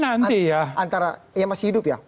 nanti ya antara ya masih hidup ya